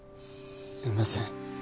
すいません